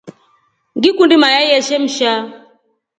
Ngikundi mayai yeshemsha.